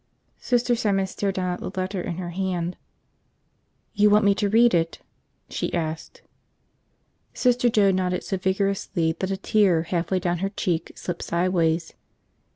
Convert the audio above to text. Sister Simon stared down at the letter in her hand. "You want me to read it?" she asked. Sister Joe nodded so vigorously that a tear halfway down her cheek slipped sideways.